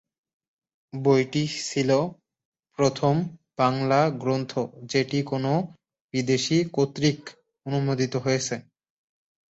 বইটি ছিল প্রথম বাংলা গ্রন্থ যেটি কোনো বিদেশি কর্তৃক অনূদিত হয়েছে।